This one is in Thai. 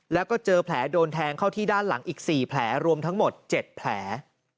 แล้วก็เจอแผลโดนแทงเข้าที่ด้านหลังอีก๔แผลรวมทั้งหมด๗แผล